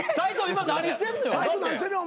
今何してんのよ。